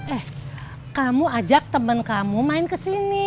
eh kamu ajak temen kamu main kesini